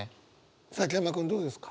崎山君どうですか？